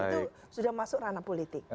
itu sudah masuk ranah politik